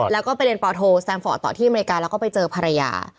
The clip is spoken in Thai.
แล้วก็ไปเรียนปโทแซมฟอร์ตต่อที่อเมริกาแล้วก็ไปเจอภรรยา